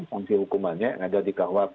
fungsi hukumannya yang ada di kuap